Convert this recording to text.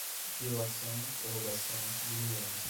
dilação, prorrogação, diligência